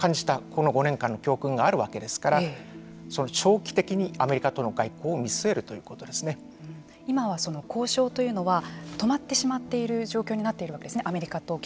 この５年間の教訓があるわけですから長期的にアメリカとの外交を今は交渉というのは止まってしまっている状況になっているわけですね